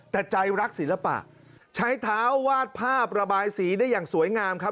แต่ใจรักศิลปะใช้เท้าวาดภาพระบายสีได้อย่างสวยงามครับ